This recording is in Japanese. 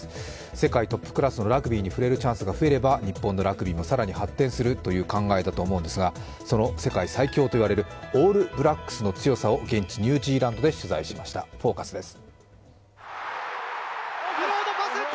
世界トップクラスのラグビーに触れるチャンスが増えれば日本のラグビーも更に発展するという考えだと思うんですがその世界最強といわれるオールブラックスの強さを現地、ニュージーランドで取材しました、「ＦＯＣＵＳ」です。